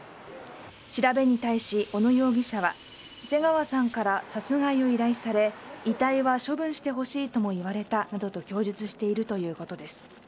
調べに対し小野容疑者は瀬川さんから殺害を依頼され遺体は処分してほしいとも言われたなどと供述しているということです。